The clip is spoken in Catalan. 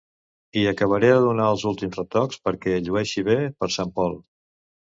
Hi acabaré de donar els últims retocs perquè llueixi bé per sant Pol.